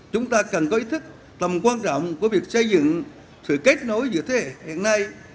chúng ta cần có ý thức tầm quan trọng của việc xây dựng sự kết nối giữa thế hệ hiện nay